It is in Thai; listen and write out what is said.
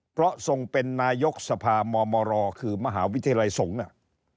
เพราะทรงเป็นนายกสภามมรคือมหาวิทยาลัยสงฆ์เนี่ย